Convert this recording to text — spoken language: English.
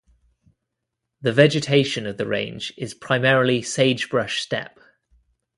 The vegetation of the range is primarily sagebrush steppe.